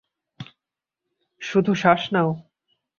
শুধু শ্বাস নাও।